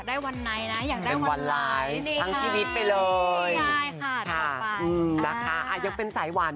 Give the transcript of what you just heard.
ก็ต้องเปลี่ยนแปงมากเนาะแม่น้อง